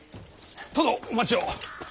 殿お待ちを。